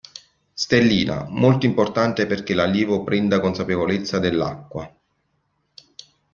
Stellina: molto importante perché l'allievo prende consapevolezza dell'acqua.